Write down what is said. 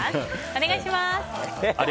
お願いします。